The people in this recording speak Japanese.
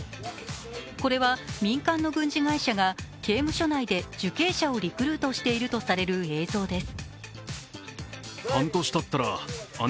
これは民間の軍事会社が刑務所内で受刑者をリクルートしているとされる映像です。